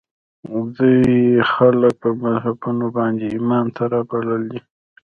دوی خلک پر مذهبونو باندې ایمان ته رابللي دي